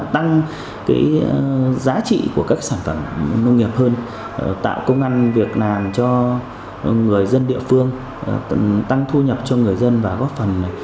tạo công ngăn việt nam cho người dân địa phương tăng thu nhập cho người dân và góp phần